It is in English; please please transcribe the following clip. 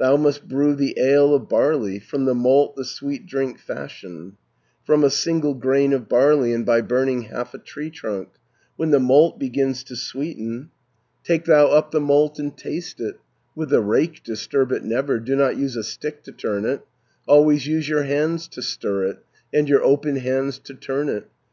Thou must brew the ale of barley, From the malt the sweet drink fashion, From a single grain of barley, And by burning half a tree trunk. When the malt begins to sweeten, Take thou up the malt and taste it. 400 With the rake disturb it never, Do not use a stick to turn it, Always use your hands to stir it, And your open hands to turn it.